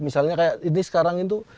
misalnya kayak ini sekarang itu